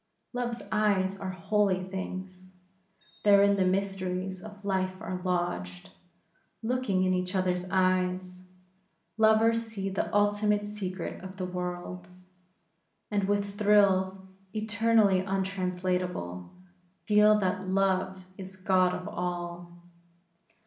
Love's eyes are holy things; therein the mysteries of life are lodged; looking in each other's eyes, lovers see the ultimate secret of the worlds; and with thrills eternally untranslatable, feel that Love is god of all.